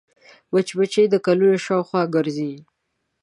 مچمچۍ د ګلونو شاوخوا ګرځي